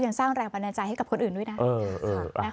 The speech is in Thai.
สร้างแรงบันดาลใจให้กับคนอื่นด้วยนะ